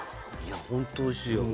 ホントおいしい。